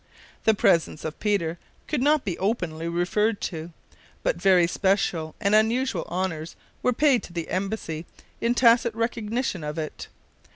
The presence of Peter could not be openly referred to, but very special and unusual honors were paid to the embassy in tacit recognition of it.